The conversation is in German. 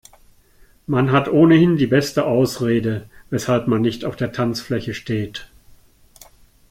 Man hat ohnehin die beste Ausrede, weshalb man nicht auf der Tanzfläche steht.